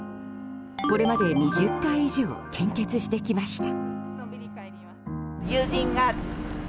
これまで２０回以上献血してきました。